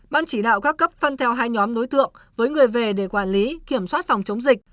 ban chỉ đạo các cấp phân theo hai nhóm đối tượng với người về để quản lý kiểm soát phòng chống dịch